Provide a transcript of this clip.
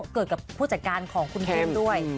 เกิดกับผู้จัดการของคุณเกมด้วย